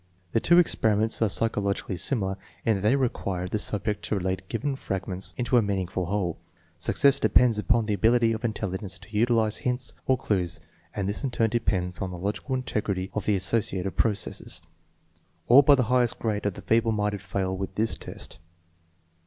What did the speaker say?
The two experi ments are psychologically similar in that they require the subject to relate given fragments into a meaningful whole. Success depends upon the ability of intelligence to utilize hints, or clues, and this in turn depends on the logical integrity of the associative processes. All but the highest grade of the feeble minded fail with this test.